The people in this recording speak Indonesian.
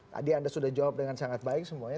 tadi anda sudah jawab dengan sangat baik semuanya